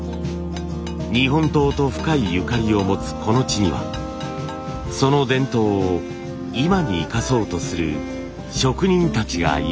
日本刀と深いゆかりを持つこの地にはその伝統を今に生かそうとする職人たちがいました。